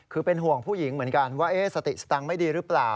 คือเป็นห่วงผู้หญิงเหมือนกันว่าสติสตังค์ไม่ดีหรือเปล่า